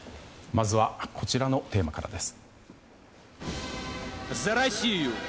まずはこちらのテーマからです。